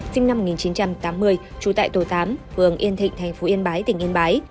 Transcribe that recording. sinh năm một nghìn chín trăm tám mươi trú tại tổ tám phường yên thịnh thành phố yên bái tỉnh yên bái